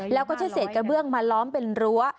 แล้วก็ใช้เศษกระเบื้องมาล้อมเป็นรั้ว